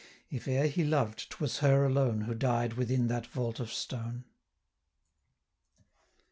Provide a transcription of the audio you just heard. If e'er he loved, 'twas her alone, Who died within that vault of stone.